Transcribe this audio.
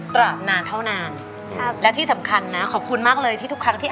นานเท่านานครับและที่สำคัญนะขอบคุณมากเลยที่ทุกครั้งที่